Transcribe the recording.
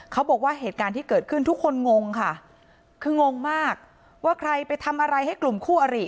เขาบอกว่าเหตุการณ์ที่เกิดขึ้นทุกคนงงค่ะคืองงมากว่าใครไปทำอะไรให้กลุ่มคู่อริ